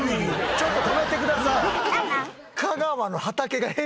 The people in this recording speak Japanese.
ちょっと止めてください！